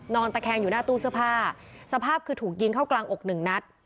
ตะแคงอยู่หน้าตู้เสื้อผ้าสภาพคือถูกยิงเข้ากลางอกหนึ่งนัด